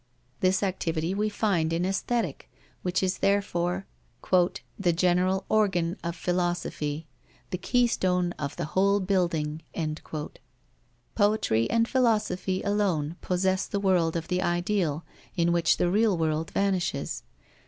This activity we find in Aesthetic, which is therefore "the general organ of philosophy, the keystone of the whole building." Poetry and philosophy alone possess the world of the ideal, in which the real world vanishes.